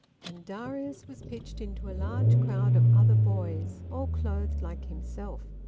And Darius was pitched into a large crowd of other boys, all clothed like himself.